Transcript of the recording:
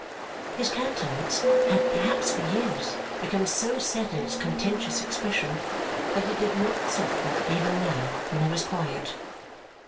'" His countenance had, perhaps for years, become so set in its contentious expression that it did not soften, even now when he was quiet.